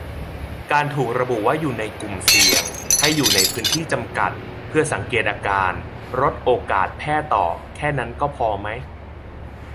การถูกระบุว่าอยู่ในกลุ่มเสี่ยง ให้อยู่ในพื้นที่จำกัดเพื่อสังเกตอาการ-ลดโอกาสแพร่ต่อ แค่นั้นก็พอไหม